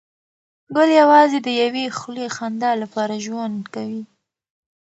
ګل یوازې د یوې خولې خندا لپاره ژوند کوي.